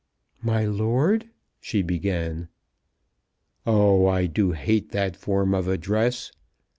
"My lord," she began. "Oh, I do hate that form of address.